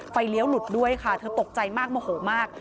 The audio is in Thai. เลี้ยวหลุดด้วยค่ะเธอตกใจมากโมโหมาก